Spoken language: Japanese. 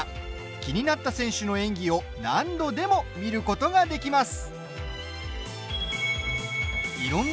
気になった選手の演技を何度でも見ることができます。